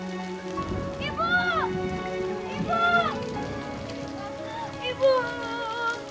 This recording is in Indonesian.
berikan petunjuk kepada kami ya allah